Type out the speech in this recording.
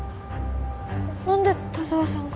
何で田沢さんが？